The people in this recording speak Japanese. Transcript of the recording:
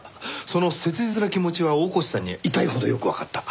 その切実な気持ちは大河内さんには痛いほどよくわかった。